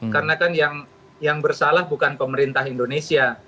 karena kan yang bersalah bukan pemerintah indonesia